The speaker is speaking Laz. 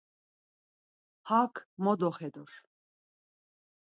Hak mo doxedur.